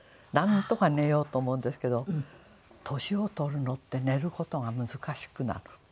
なんとか寝ようと思うんですけど年を取るのって寝る事が難しくなる。